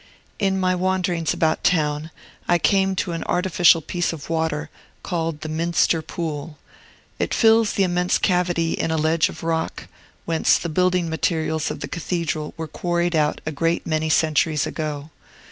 In my wanderings about town, I came to an artificial piece of water, called the Minster Pool. It fills the immense cavity in a ledge of rock, whence the building materials of the cathedral were quarried out a great many centuries ago.